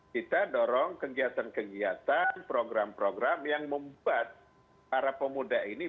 kita dorong kegiatan kegiatan program program yang membuat para pemuda ini